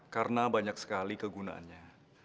karena banyak sekali kegunaannya